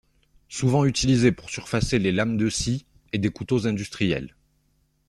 Souvent utilisée pour surfacer les lames de scies et des couteaux industriels.